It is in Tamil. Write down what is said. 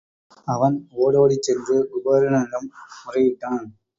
அவன் ஒடோடிச் சென்று குபேரனிடம் முறையிட்டான்.